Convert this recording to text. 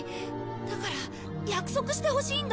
だから約束してほしいんだ。